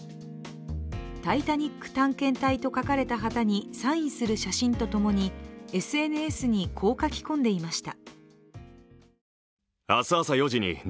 タイタニック探検隊と書かれた旗にサインする写真とともに、ＳＮＳにこう書き込んでいました。